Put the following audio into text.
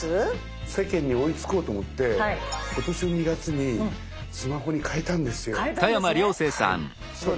世間に追いつこうと思って今年の２月にスマホに替えたんですよ。替えたんですね。